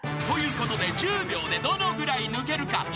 ［ということで１０秒でどのぐらい抜けるか？］